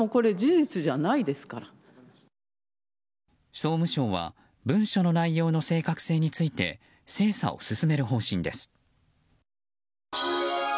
総務省は文書の内容の正確性について精査を進める方針です。